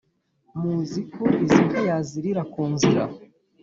muzi ko izi nka yazirira ku nzira